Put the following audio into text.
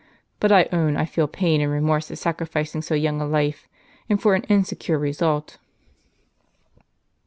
But I own I feel pain and remorse at sacrificing so young a life, and for an insecure result."